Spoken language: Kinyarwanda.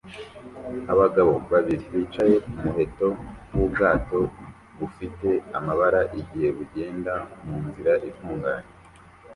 Abagabo babiri bicaye ku muheto w'ubwato bufite amabara igihe bugenda mu nzira ifunganye